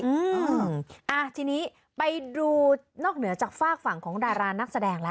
อืมอ่าทีนี้ไปดูนอกเหนือจากฝากฝั่งของดารานักแสดงแล้ว